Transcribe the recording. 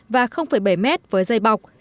và bảy mét với dây bọc